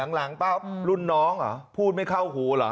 หลังป้าวรุ่นน้องอ่ะพูดไม่เข้าหูหรอ